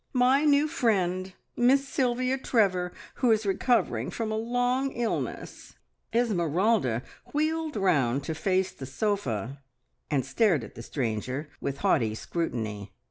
My new friend, Miss Sylvia Trevor, who is recovering from a long illness." Esmeralda wheeled round to face the sofa and stared at the stranger with haughty scrutiny.